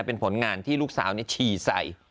เป็นผลงานที่ลูกสาวฉี่ใส่